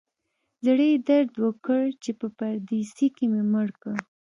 زړه یې درد وکړ چې په پردیسي کې مې مړ کړ.